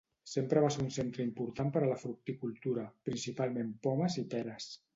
Sempre va ser un centre important per a la fructicultura, principalment pomes i peres.